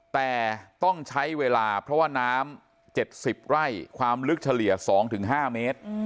แต่ต้องใช้เวลาเพราะว่าน้ำ๗๐ไร่ความลึกเฉลี่ย๒๕เมตร